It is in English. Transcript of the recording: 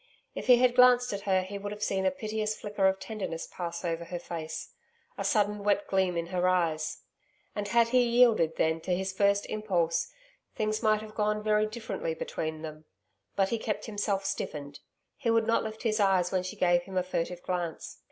If he had glanced at her he would have seen a piteous flicker of tenderness pass over her face a sudden wet gleam in her eyes. And had he yielded then to his first impulse, things might have gone very differently between them. But he kept himself stiffened. He would not lift his eyes, when she gave him a furtive glance.